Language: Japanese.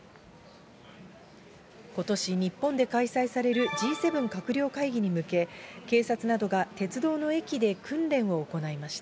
ことし日本で開催されるＧ７閣僚会議に向け、警察などが鉄道の駅で訓練を行いました。